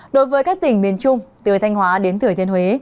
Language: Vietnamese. đối với các tỉnh miền trung từ thanh hóa đến thừa thiên huế